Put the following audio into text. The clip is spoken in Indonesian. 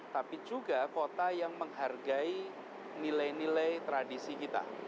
tapi juga kota yang menghargai nilai nilai tradisi kita